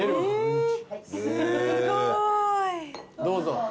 どうぞ。